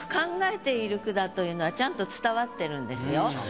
だというのはちゃんと伝わってるんですよ。